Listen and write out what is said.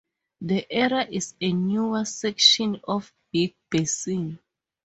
The area is a newer section of Big Basin.